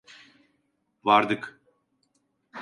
Vardık.